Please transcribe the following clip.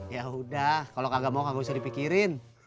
ya udah kalau kagak mau gak usah dipikirin